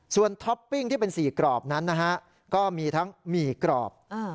ส่วนท็อปปิ้งที่เป็น๔กรอบนั้นนะฮะก็มีทั้งหมี่กรอบ